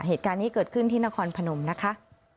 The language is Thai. เหตุการณ์นี้เกิดขึ้นที่นครพนมนะคะ